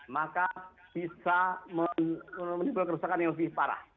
maka bisa menimbulkan kerusakan yang lebih parah